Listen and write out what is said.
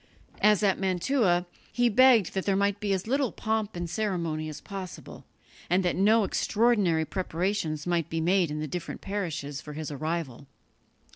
As at Mantua, he begged that there might be as little pomp and ceremony as possible, and that no extraordinary preparations might be made in the different parishes for his arrival.